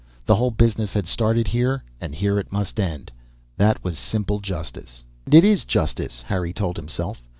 The whole business had started here, and here it must end. That was simple justice. And it is justice, Harry told himself.